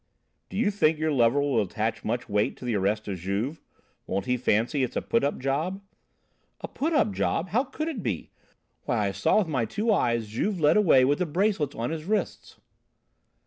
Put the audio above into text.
"Do you think your lover will attach much weight to the arrest of Juve? Won't he fancy it's a put up job?" "A put up job! How could it be? Why, I saw with my two eyes Juve led away with the bracelets on his wrists."